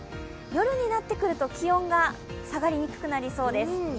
夜になってくると気温が下がりにくくなりそうです。